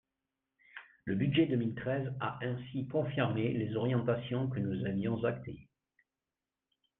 Le budget deux mille treize a ainsi confirmé les orientations que nous avions actées.